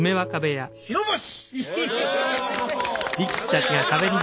白星！